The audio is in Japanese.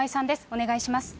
お願いします。